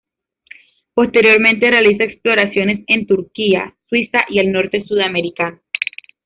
Posteriormente realiza exploraciones en Turquía, Suiza, y el norte sudamericano.